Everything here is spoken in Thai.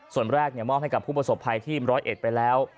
ส่วนแรกมอบให้กับผู้ประสบภัยที่๑๐๑ไปแล้ว